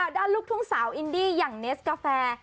ลูกทุ่งสาวอินดี้อย่างเนสกาแฟ